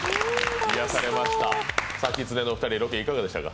癒されました。